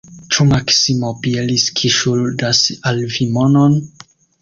Ĉu Maksimo Bjelski ŝuldas al vi monon?